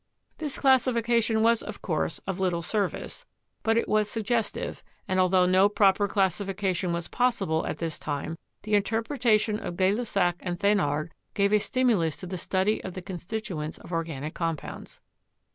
This classification was, of course, of little service, but it was suggestive, and altho no proper classification was possible at this time, the interpretation of Gay Lussac and Thenard gave a stimulus to the study of the constituents of organic compounds.